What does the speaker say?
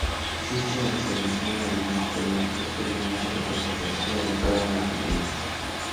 Existe una asociación de productores que es la más representativa de toda la provincia.